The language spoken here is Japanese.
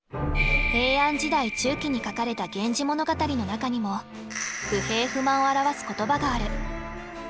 平安時代中期に書かれた「源氏物語」の中にも不平不満を表す言葉がある。